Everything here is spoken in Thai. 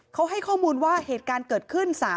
เขาให้ข้อมูลว่าเหตุการณ์เกิดขึ้น